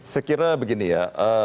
saya kira begini ya